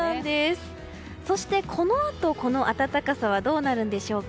そして、このあとこの暖かさはどうなるんでしょうか。